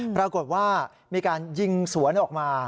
ปรากฏว่ามีการยิงสวนออกมา